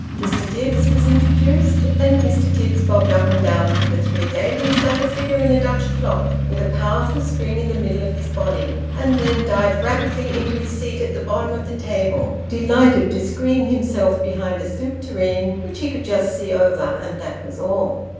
Mr. Tibbs was introduced, and Mr. Tibbs bobbed up and down to the three ladies like a figure in a Dutch clock, with a powerful spring in the middle of his body, and then dived rapidly into his seat at the bottom of the table, delighted to screen himself behind a soup tureen, which he could just see over, and that was all.